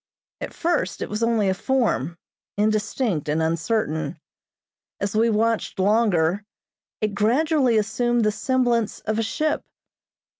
At first it was only a form, indistinct and uncertain. As we watched longer, it gradually assumed the semblance of a ship.